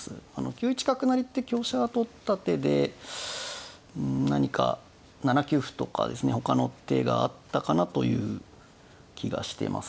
９一角成って香車を取った手でうん何か７九歩とかですねほかの手があったかなという気がしてます。